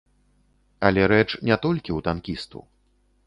Але рэч не толькі ў танкісту.